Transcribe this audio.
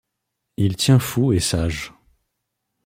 Il tient fous et sages